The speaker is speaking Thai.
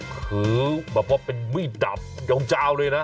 คือแบบว่าเป็นมื้อดำยอมเจ้าเลยนะ